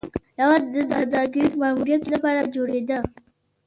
یوازې د سوداګریز ماموریت لپاره جوړېده